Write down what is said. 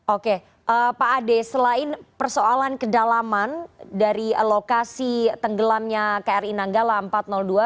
oke pak ade selain persoalan kedalaman dari lokasi tenggelamnya kri nanggala empat ratus dua